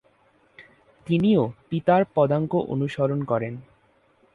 তিনিও পিতার পদাঙ্ক অনুসরণ করেন।